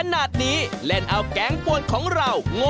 หน้ามันแอบไม่เบือกหรือเปล่า